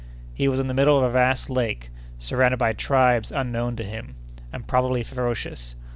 He was in the middle of a vast lake, surrounded by tribes unknown to him, and probably ferocious.